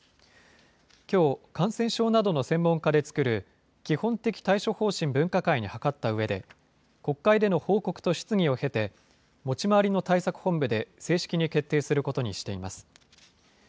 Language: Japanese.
きょう、感染症などの専門家で作る基本的対処方針分科会に諮ったうえで、国会での報告と質疑を経て、持ち回りの対策本部で正式に決定することにしています。